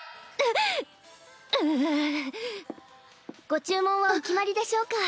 ご注文はお決まりでしょうか？